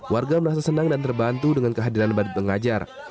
warga merasa senang dan terbantu dengan kehadiran badut pengajar